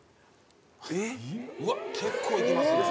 うわっ結構いきますね。